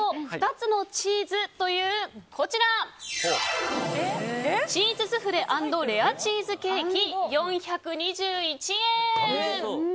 ２つのチーズというこちらチーズスフレ＆レアチーズケーキ４２１円！